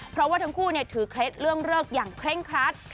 เพราะว่าทั้งคู่ถือเคล็ดเรื่องเลิกอย่างเคร่งครัด